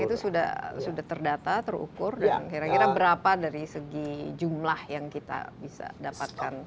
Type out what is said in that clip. itu sudah terdata terukur dan kira kira berapa dari segi jumlah yang kita bisa dapatkan